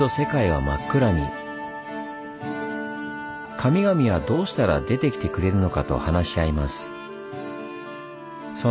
神々はどうしたら出てきてくれるのかと話し合います。